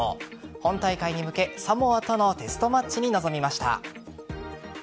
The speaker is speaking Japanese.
本大会に向けサモアとのテストマッチに臨みました。